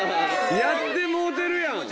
やってもうてるやん。